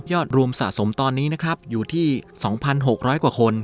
รวมสะสมตอนนี้นะครับอยู่ที่๒๖๐๐กว่าคน